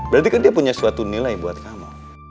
berarti kan dia punya suatu nilai buat kamu